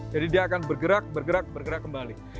jadi dia akan bergerak bergerak bergerak kembali